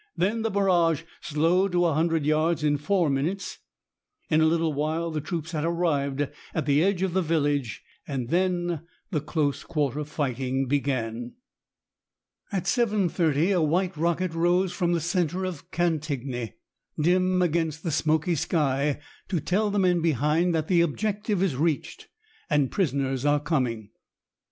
Then the barrage slowed to a hundred yards in four minutes. In a little while the troops had arrived at the edge of the village; then the close quarter fighting began. At 7.30 a white rocket rose from the centre of Cantigny, dim against the smoky sky, to tell the men behind that "the objective is reached and prisoners are coming."